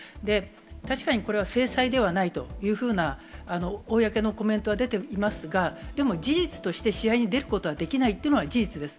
確かにこれは制裁ではないというふうな、公のコメントは出ていますが、でも事実として試合に出ることはできないっていうのは、事実です。